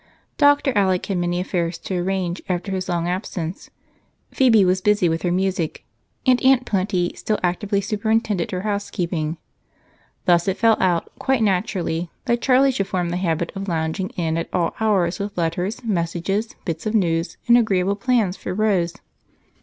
Dr. Alec had many affairs to arrange after his long absence; Phebe was busy with her music; and Aunt Plenty still actively superintended her housekeeping. Thus it fell out, quite naturally, that Charlie should form the habit of lounging in at all hours with letters, messages, bits of news, and agreeable plans for Rose.